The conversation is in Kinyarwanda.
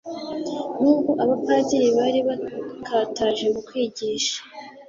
N'ubwo abapadiri bari bakataje mu kwigisha,